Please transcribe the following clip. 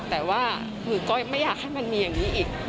แต่ว่าคือก็ไม่อยากให้มันมีอย่างนี้อีก